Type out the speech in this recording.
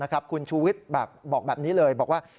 คุณชูวิทย์บอกแบบนี้เลยบอกว่า